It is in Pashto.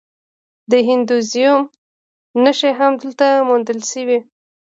د هندویزم نښې هم دلته موندل شوي